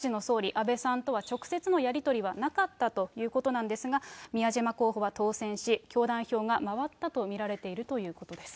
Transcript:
伊達氏としては、当時の総理、安倍さんとは直接のやり取りはなかったということなんですが、宮島候補は当選し、教団票が回ったと見られているということです。